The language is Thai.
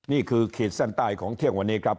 นี่คือเขตสั้นใต้ของเที่ยงวันนี้ครับ